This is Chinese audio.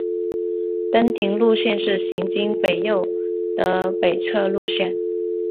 登顶路线是行经北坳的北侧路线。